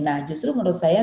nah justru menurut saya